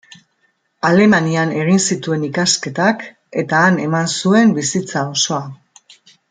Alemanian egin zituen ikasketak, eta han eman zuen bizitza osoa.